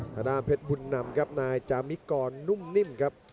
ทางด้านเพชรบุญนำครับนายจามิกรนุ่มนิ่มครับ